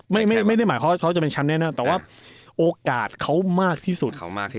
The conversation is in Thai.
ไม่ได้หมายว่าเขาจะเป็นแชมป์แน่แต่ว่าโอกาสเขามากที่สุด